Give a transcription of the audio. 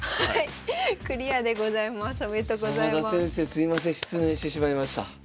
すいません失念してしまいました。